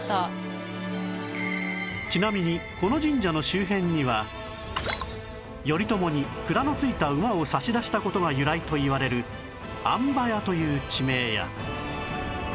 ちなみにこの頼朝に鞍のついた馬を差し出した事が由来といわれる安馬谷という地名や